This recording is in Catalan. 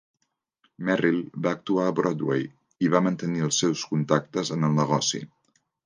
Merrill va actuar a Broadway i va mantenir els seus contactes en el negoci.